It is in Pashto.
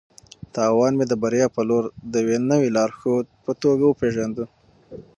تاوان مې د بریا په لور د یوې نوې لارښود په توګه وپېژانده.